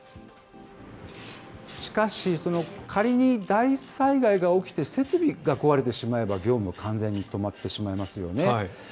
しかし、仮に大災害が起きて設備が壊れてしまえば、業務、完全に止まってしまいますよね。